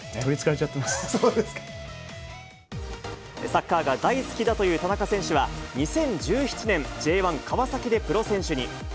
サッカーが大好きだという田中選手は、２０１７年、Ｊ１・川崎でプロ選手に。